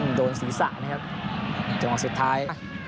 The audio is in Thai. มันโดนศีรษะนะครับจังหวะสุดท้าย